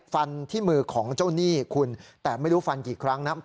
ฟันที่มือของเจ้าหนี้คุณแต่ไม่รู้ฟันกี่ครั้งนะ